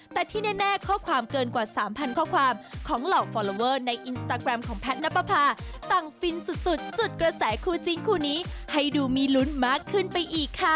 แต่ที่แน่ข้อความเกินกว่า๓๐๐ข้อความของเหล่าฟอลลอเวอร์ในอินสตาแกรมของแพทย์นับประพาต่างฟินสุดจุดกระแสคู่จริงคู่นี้ให้ดูมีลุ้นมากขึ้นไปอีกค่ะ